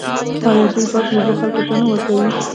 آیا دوی پاکې اوبه خلکو ته نه ورکوي؟